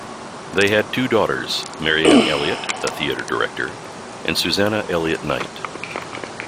They had two daughters - Marianne Elliott, a theatre director, and Susannah Elliott-Knight.